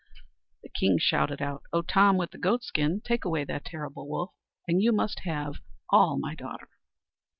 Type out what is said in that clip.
The king shouted out, "O Tom with the Goat skin, take away that terrible wolf, and you must have all my daughter."